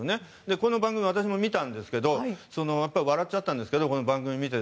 この番組、私も見たんですが笑っちゃったんですがこの番組見て。